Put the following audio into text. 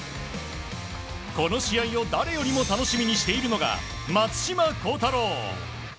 この試合を誰よりも楽しみにしているのが松島幸太朗。